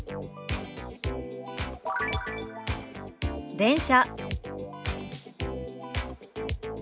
「電車」。